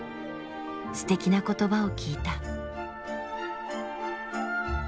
すてきな言葉を聞いた。